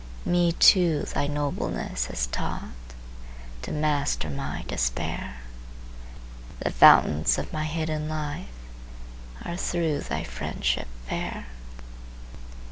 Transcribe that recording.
Me too thy nobleness has taught To master my despair; The fountains of my hidden life Are through thy friendship fair.